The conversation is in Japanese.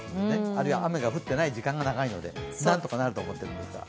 あるいは雨が降っていない時間が長いので何とかなると思いますが。